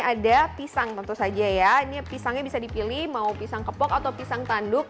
ada pisang tentu saja ya ini pisangnya bisa dipilih mau pisang kepok atau pisang tanduk